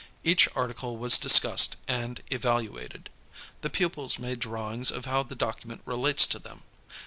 Each Article was discussed and evaluated. The pupils made drawings of how the document relates to them.